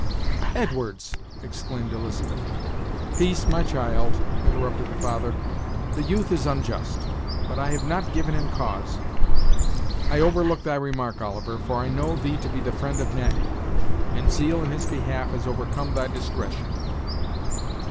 "Edwards!" exclaimed Elizabeth. "Peace, my child," interrupted the father; "the youth is unjust; but I have not given him cause. I overlook thy remark, Oliver, for I know thee to be the friend of Natty, and zeal in his behalf has overcome thy discretion."